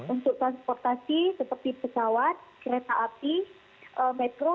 untuk transportasi seperti pesawat kereta api metro